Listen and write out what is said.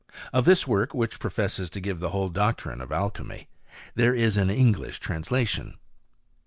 Of this work, which professes to give the whole doctrine of alchymy, there IS an English translation.